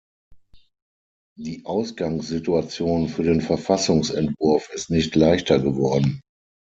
Die Ausgangssituation für den Verfassungsentwurf ist nicht leichter geworden.